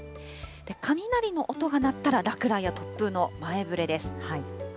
雷の音が鳴ったら落雷や突風の前触れです。